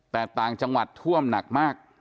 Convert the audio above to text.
แต่ต่างจังหวัดท่วมหนักมาก